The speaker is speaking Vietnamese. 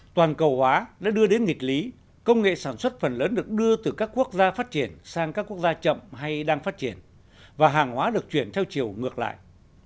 toàn cầu hóa đã đưa đến nghịch lý công nghệ sản xuất phần lớn được đưa từ các quốc gia phát triển sang các quốc gia chậm hay đang phát triển và hàng hóa được chuyển theo chiều ngược lại